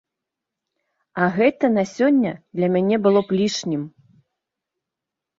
А гэта на сёння для мяне было б лішнім.